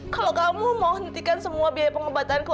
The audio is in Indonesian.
kalau kamu mau hentikan semua biaya pengobatanku